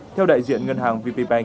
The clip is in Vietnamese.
theo đại diện ngân hàng